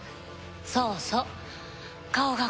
そうそう。